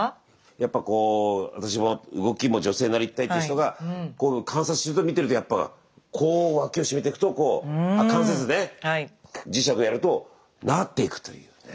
やっぱこう私も動きも女性になりたいって人が観察してると見てるとやっぱこう脇を締めてくとこうあ関節ね磁石やるとなっていくというね。